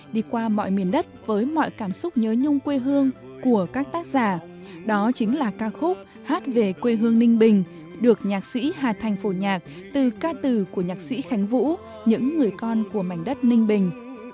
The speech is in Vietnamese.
đi qua mọi miền đất với mọi cảm xúc nhớ nhung quê hương của các tác giả đó chính là ca khúc hát về quê hương ninh bình được nhạc sĩ hà thành phổ nhạc từ ca từ của nhạc sĩ khánh vũ những người con của mảnh đất ninh bình